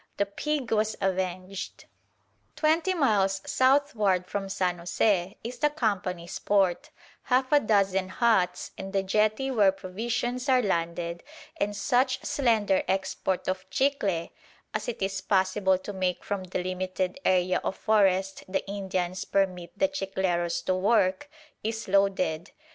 The pig was avenged! Twenty miles southward from San José is the Company's port, half a dozen huts and a jetty where provisions are landed, and such slender export of chicle, as it is possible to make from the limited area of forest the Indians permit the chicleros to work, is loaded.